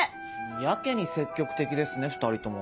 やけに積極的ですね２人とも。